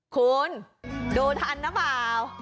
คุณดูทันนะเปล่า